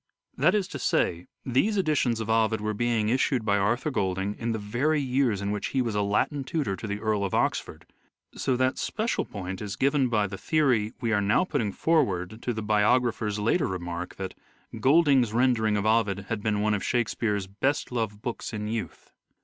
That is to say, these editions of Ovid were being issued by Arthur Golding in the very years in which he was Latin tutor to the Earl of Oxford, so that special point is given by the theory we are now putting forward to the bio grapher's later remark that " Golding's rendering of Ovid had been one of Shakespeare's best loved books in youth."